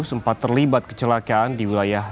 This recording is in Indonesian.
sempat terlibat kecelakaan di wilayah